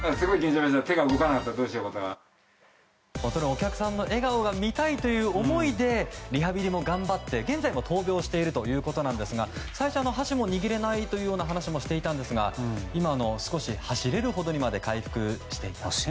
お客さんの笑顔が見たいという思いでリハビリも頑張って現在も闘病しているということなんですが最初は箸も握れないという話もしていたんですが今は、少し走れるほどにまで回復しています。